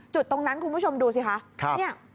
จุดตรงนั้นคุณผู้ชมดูสิคะ